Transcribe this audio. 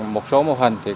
một số mô hình